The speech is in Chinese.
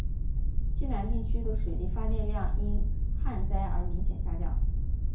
西南地区的水力发电量因旱灾而明显下降。